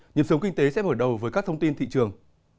nhập xướng kinh tế sẽ mở đầu với các thông tin thị trường